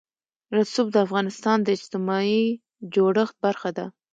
رسوب د افغانستان د اجتماعي جوړښت برخه ده.